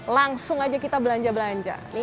langsung aja kita belanja belanja